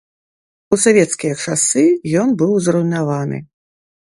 У савецкія часы ён быў зруйнаваны.